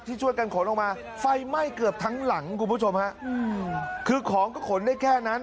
ช่วยกันขนออกมาไฟไหม้เกือบทั้งหลังคุณผู้ชมฮะคือของก็ขนได้แค่นั้น